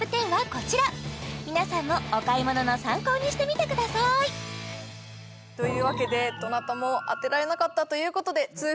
ＴＯＰ１０はこちら皆さんもお買い物の参考にしてみてくださいというわけでどなたも当てられなかったということで２ｆｏｏｄｓ